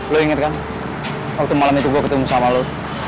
lo inget kan waktu malam itu gue ketemu sama lo